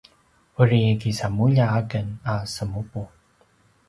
uri kisamulja aken a semupu